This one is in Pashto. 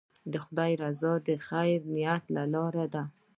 د خدای رضا د خیر نیت له لارې ده.